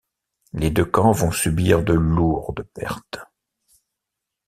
Les deux camps vont subir de lourdes pertes.